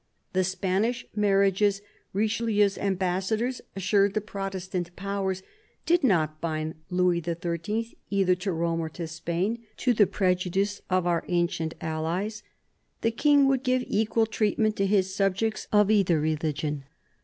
The Spanish marriages, Richelieu's ambassadors assured the Protestant Powers, did not bind Louis XIII. either to Rome or to Spain "to the prejudice of our ancient allies." The King would give equal treatment to his subjects of either religion.